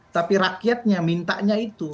tapi rakyatnya mintanya itu